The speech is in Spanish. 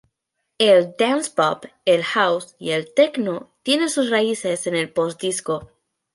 El dance-pop, el house y el techno tienen sus raíces en el post-disco.